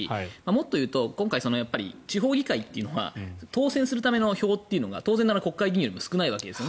もっと言うと今回地方議会というのは当選するための票が当然ながら国会議員よりも少ないわけです。